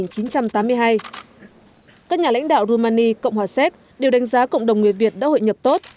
các nhà lãnh đạo rumani cộng hòa séc đều đánh giá cộng đồng người việt đã hội nhập tốt